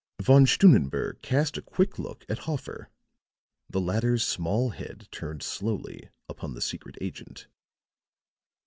Von Stunnenberg cast a quick look at Hoffer. The latter's small head turned slowly upon the secret agent.